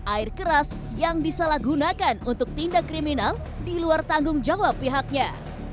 air keras yang disalah gunakan untuk tindak kriminal diluar tanggung jawab pihaknya